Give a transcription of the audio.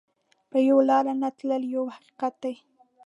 پر یوه لار نه تلل یو حقیقت دی.